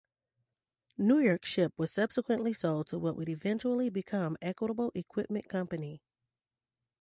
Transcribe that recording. New York Ship was subsequently sold to what would eventually become Equitable Equipment Company.